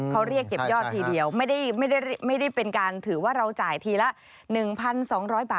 เขาเรียกเก็บยอดทีเดียวไม่ได้เป็นการถือว่าเราจ่ายทีละ๑๒๐๐บาท